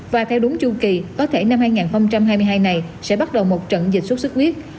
và theo đúng chu kỳ có thể năm hai nghìn hai mươi hai này sẽ bắt đầu một trận dịch sốt xuất huyết